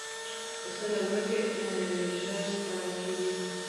پسه له لوږې ژر ستړی کېږي.